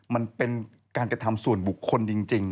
มันเป็นการกระทำส่วนบุคคลจริง